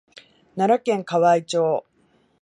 奈良県河合町